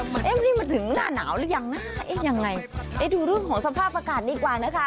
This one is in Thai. มันมาถึงหน้าหนาวหรือยังนะยังไงดูรื่องของสภาพอากาศนี่กว่านะคะ